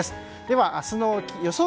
では、明日の予想